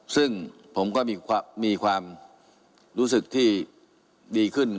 ซึ่งผมก็มีความรู้สึกที่ดีขึ้น